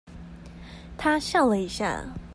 她笑了一下